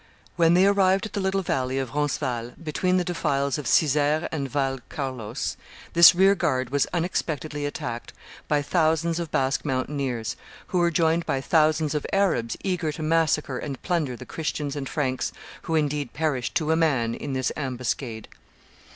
When they arrived at the little valley of Roncesvalles, between the defiles of Sizer and Val Carlos, this rearguard was unexpectedly attacked by thousands of Basque mountaineers, who were joined by thousands of Arabs eager to massacre and plunder the Christians and Franks, who, indeed, perished to a man in this ambuscade.